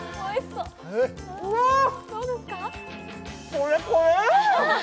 これこれ。